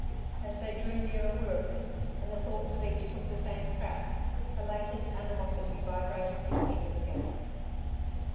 As they drew nearer Wirreeford, and the thoughts of each took the same track, the latent animosity vibrated between them again.